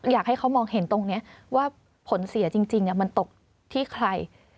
อยากให้เขามองเห็นตรงนี้ว่าผลเสียจริงมันตกที่ใคร